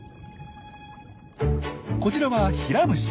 こちらはヒラムシ。